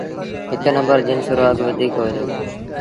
هڪ نمبر جنس رو اگھ وڌيٚڪ وهئي دو۔